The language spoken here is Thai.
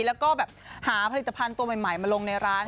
แล้วก็แบบหาผลิตภัณฑ์ตัวใหม่มาลงในร้าน